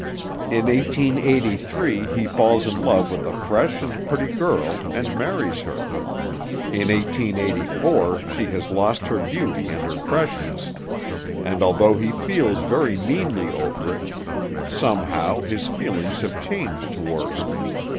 In 1883 he falls in love with a fresh and pretty girl, and marries her; in 1884 she has lost her beauty and her freshness, and although he feels very meanly over it, somehow his feelings have changed toward her.